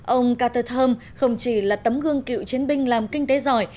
ông carter thơm không chỉ là tấm gương cựu chiến binh làm kinh tế giỏi